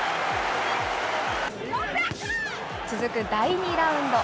続く第２ラウンド。